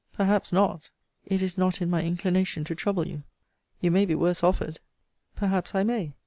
Perhaps not. It is not in my inclination to trouble you. You may be worse offered. Perhaps I may.